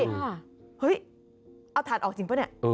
เฮ้ยเอาถ่านออกจริงป่ะเนี่ย